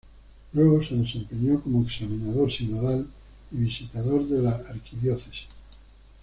Luego se desempeñó como examinador sinodal y visitador de la arquidiócesis.